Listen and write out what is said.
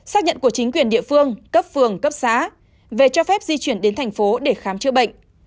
xác nhận của chính quyền địa phương cấp phường cấp xã về cho phép di chuyển đến thành phố để khám chữa bệnh